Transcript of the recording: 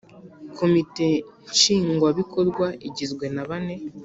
Komite nshingwabikorwa igizwe nabane